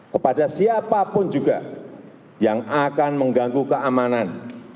kepada siapapun juga yang akan mengganggu keamanan